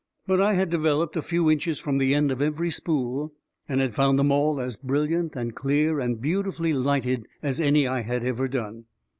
But I had developed a few inches from the end of every spool, and had found them all as brilliant and clear and beautifully lighted as any I had ever done.